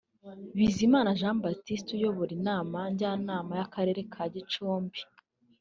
Bizimana Jean Baptiste uyobora inama njyanama y’Akarere ka Gicumbi